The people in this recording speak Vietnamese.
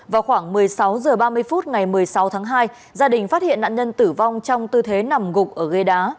vào khoảng một mươi sáu h ba mươi phút ngày một mươi sáu tháng hai gia đình phát hiện nạn nhân tử vong trong tư thế nằm gục ở gây đá